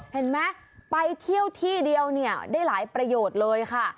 เห็นไหมไปเที่ยวที่เดียวเนี่ยได้หลายประโยชน์เลยค่ะ